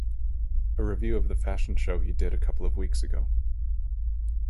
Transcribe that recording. A review of the fashion show he did a couple of weeks ago.